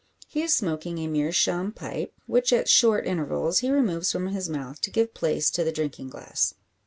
He is smoking a meerschaum pipe, which at short intervals he removes from his mouth to give place to the drinking glass.